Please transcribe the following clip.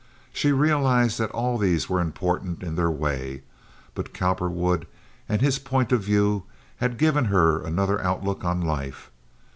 She realized that all these were important in their way; but Cowperwood and his point of view had given her another outlook on life.